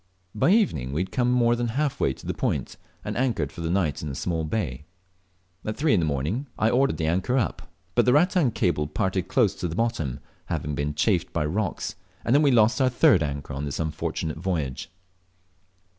By evening we had come more than half way to the point, and anchored for the night in a small bay. At three the next morning I ordered the anchor up, but the rattan cable parted close to the bottom, having been chafed by rocks, and we then lost our third anchor on this unfortunate voyage.